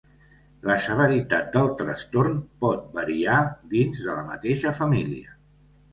La severitat del trastorn pot variar dins de la mateixa família.